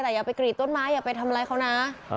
แต่อย่าไปกรีดต้นไม้อย่าไปทำร้ายเขานะ